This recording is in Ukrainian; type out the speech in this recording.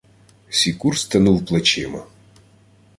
Сікур стенув плечима.